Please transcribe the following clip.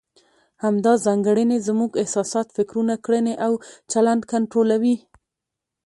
همدا ځانګړنې زموږ احساسات، فکرونه، کړنې او چلند کنټرولوي.